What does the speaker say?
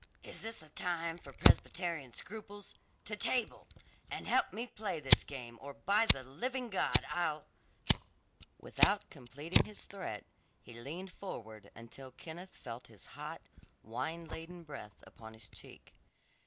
"Is this a time for Presbyterian scruples? To table, and help a me play this game, or, by the living God, I'll " Without completing his threat he leaned forward until Kenneth felt his hot, wine laden breath upon his cheek.